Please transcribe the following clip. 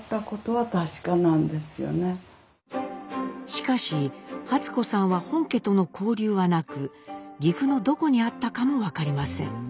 しかし初子さんは本家との交流はなく岐阜のどこにあったかも分かりません。